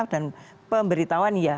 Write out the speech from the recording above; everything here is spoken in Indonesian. dan pemberitahuan ya